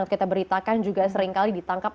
kita beritakan juga seringkali ditangkap